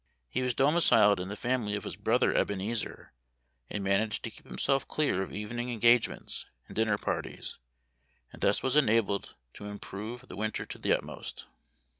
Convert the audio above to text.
He was domiciled in the family of his brother Ebenezer, and managed to keep himself clear of evening engagements and dinner parties, and thus was enabled to improve the winter to the utmost.